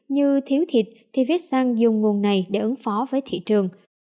như thiếu thịt thì phết săn dùng nguồn này để ứng phó với thị trường